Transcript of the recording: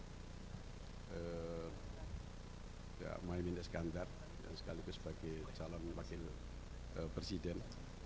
mbak maiminda skandar yang sekaligus sebagai calon pakir presiden